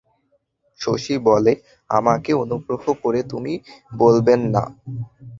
শশী বলে, আমাকে অনুগ্রহ করে তুমি বলবেন না।